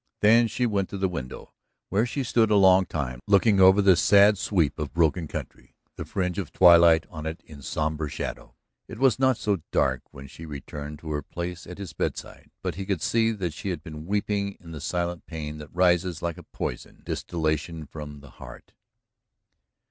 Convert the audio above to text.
Then she went to the window, where she stood a long time looking over the sad sweep of broken country, the fringe of twilight on it in somber shadow. It was not so dark when she returned to her place at his bedside, but he could see that she had been weeping in the silent pain that rises like a poison distillation from the heart.